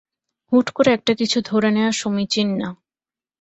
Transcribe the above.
হুট করে একটা কিছু ধরে নেয়া সমীচীন না।